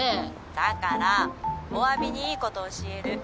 だからお詫びにいいこと教える。